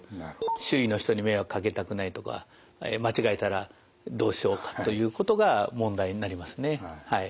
「周囲の人に迷惑かけたくない」とか「間違えたらどうしようか」ということが問題になりますねはい。